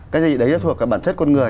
cái gì đấy nó thuộc cả bản chất con người